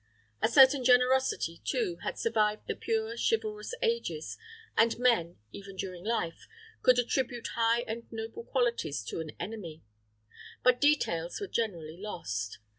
A certain generosity, too, had survived the pure chivalrous ages, and men, even during life, could attribute high and noble qualities to an enemy; but details were generally lost.